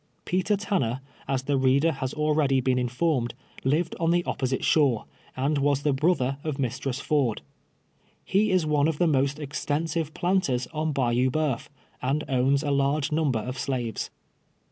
Peter Tanner, as the reader has already been in formed, lived on the opposite shore, and was the broth er of Mistress Ford. He is one of the most extensive planters on Bayou Coeuf, and owns a large number of slaves.